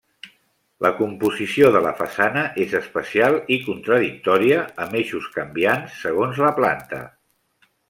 La composició de la façana és especial i contradictòria amb eixos canviants segons la planta.